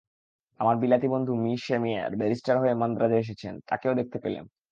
আমার বিলাতী বন্ধু মি শ্যামিএর, ব্যারিষ্টার হয়ে মান্দ্রাজে এসেছেন, তাঁকেও দেখতে পেলেম।